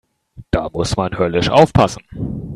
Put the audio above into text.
Da muss man höllisch aufpassen.